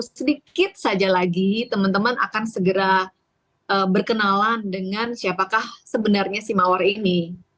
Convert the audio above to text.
sedikit saja lagi teman teman akan segera berkenalan dengan siapakah sebenarnya si mawar ini